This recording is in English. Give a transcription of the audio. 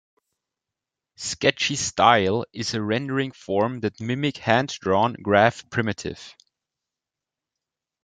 Sketchy style is a rendering form that mimic hand-drawn graph primitive.